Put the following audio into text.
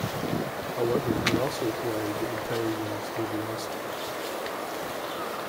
However, it also acquired the entire Yanks old roster.